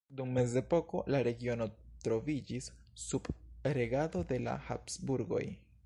Dum mezepoko la regiono troviĝis sub regado de la Habsburgoj.